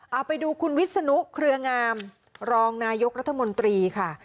เอาไปดูคุณวิศนุเครืองามรองนายกรัฐมนตรีค่ะ